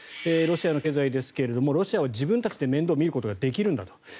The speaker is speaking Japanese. ロシアの経済ですがロシアは自分たちで面倒を見ることができるんだと。